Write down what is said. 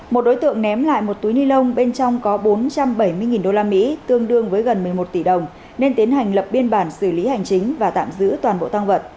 một đối tượng ném lại một túi ni lông bên trong có bốn trăm bảy mươi usd tương đương với gần một mươi một tỷ đồng nên tiến hành lập biên bản xử lý hành chính và tạm dựng